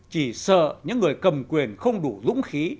chỉ sợ những người cầm quyền không đủ dũng khí